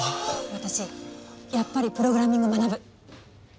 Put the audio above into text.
私やっぱりプログラミング学ぶ。